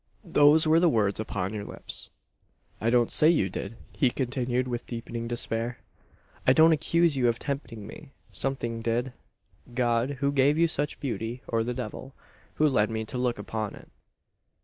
Those were the words upon your lips. "I don't say you did," he continued, with deepening despair: "I don't accuse you of tempting me. Something did. God, who gave you such beauty; or the Devil, who led me to look upon it."